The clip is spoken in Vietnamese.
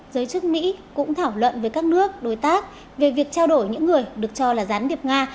giới chức mỹ cũng thảo luận với các nước đối tác về việc trao đổi những người được cho là gián điệp nga